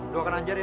doakan anjar ya